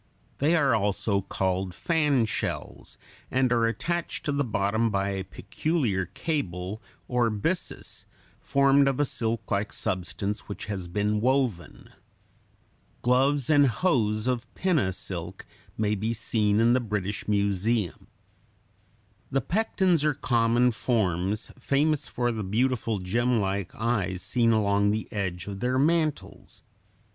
They are also called fan shells, and are attached to the bottom by a peculiar cable, or byssus, formed of a silklike substance which has been woven. Gloves and hose of pinna silk may be seen in the British Museum. [Illustration: FIG. 86. Pectens swimming.] The pectens are common forms famous for the beautiful gemlike eyes seen along the edge of their mantles.